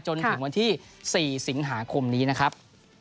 จนถึงวันที่๔สิงหาคมนี้นะครับ